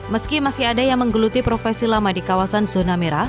meski masih ada yang menggeluti profesi lama di kawasan zona merah